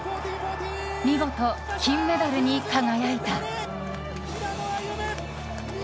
見事、金メダルに輝いた。